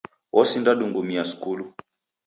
Osinda dungumia skulu